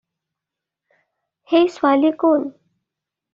সেই ছোৱালী কোন?